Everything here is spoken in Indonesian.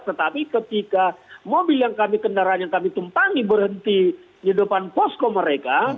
tetapi ketika mobil yang kami kendaraan yang kami tumpangi berhenti di depan posko mereka